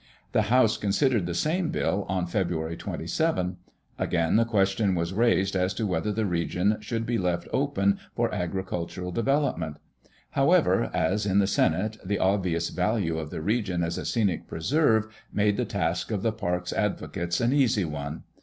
The House considered the same bill on February 27. Again, the question was raised as to whether the region should be left open for agricultural development. However, as in the Senate, the obvious value of the region as a scenic preserve made the task of the park's advocates an easy one.